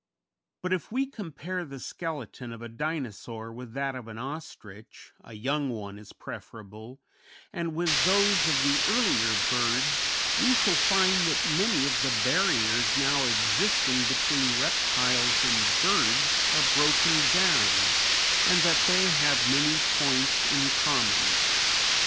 But if we compare the skeleton of a Dinosaur with that of an ostrich a young one is preferable and with those of the earlier birds, we shall find that many of the barriers now existing between reptiles and birds are broken down, and that they have many points in common.